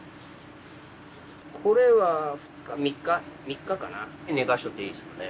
これは２日３日３日かな寝かしときゃいいですよね。